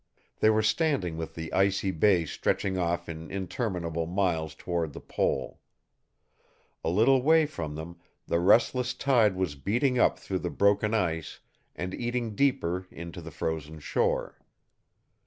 They were standing with the icy bay stretching off in interminable miles toward the pole. A little way from them, the restless tide was beating up through the broken ice, and eating deeper into the frozen shore.